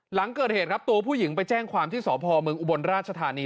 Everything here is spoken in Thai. หลังเกิดเหตุครับตัวผู้หญิงไปแจ้งความที่สพเมืองอุบลราชธานี